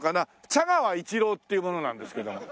茶川一郎っていう者なんですけど。